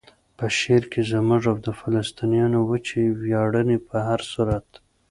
په شعر کې زموږ او د فلسطینیانو وچې ویاړنې په هر صورت.